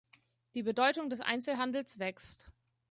Die Bedeutung des Einzelhandels wächst.